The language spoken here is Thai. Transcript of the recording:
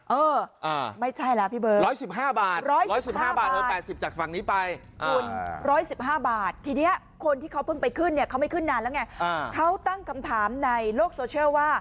เออไม่ใช่ล่ะพี่เบิร์ช